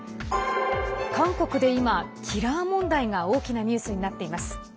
韓国で今、キラー問題が大きなニュースになっています。